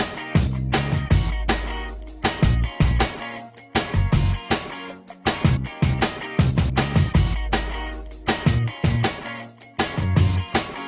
ครับผมไป